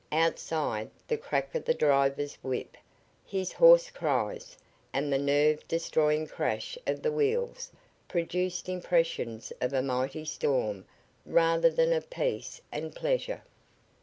Outside, the crack of the driver's whip, his hoarse cries, and the nerve destroying crash of the wheels produced impressions of a mighty storm rather than of peace and pleasure.